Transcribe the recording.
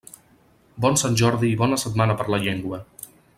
Bon Sant Jordi i bona Setmana per la Llengua!